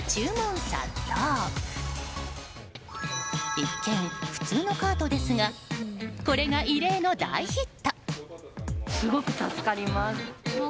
一見、普通のカートですがこれが異例の大ヒット。